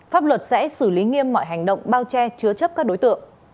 pháp luật sẽ xử lý nghiêm mọi hành động bao che chứa chấp các đối tượng